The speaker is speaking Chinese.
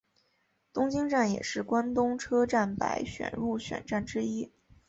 东京站也是关东车站百选入选站之一。